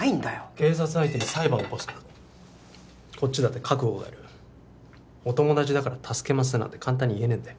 警察相手に裁判起こすんだぞこっちだって覚悟がいるお友達だから助けますなんて簡単に言えねえんだよ